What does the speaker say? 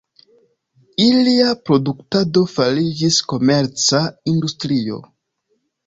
Ilia produktado fariĝis komerca industrio.